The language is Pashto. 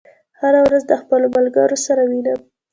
هره ورځ د خپلو ملګرو سره وینم.